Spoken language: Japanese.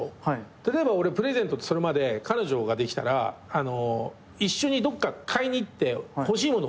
例えば俺プレゼントってそれまで彼女ができたら一緒にどっか買いに行って欲しいもの